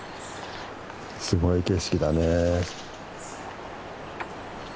すごい景色だね。